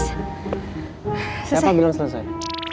siapa bilang selesai